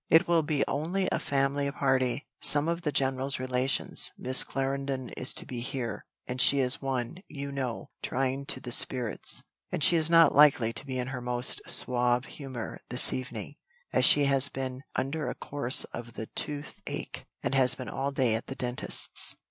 "It will be only a family party, some of the general's relations. Miss Clarendon is to be here, and she is one, you know, trying to the spirits; and she is not likely to be in her most suave humour this evening, as she has been under a course of the tooth ache, and has been all day at the dentist's."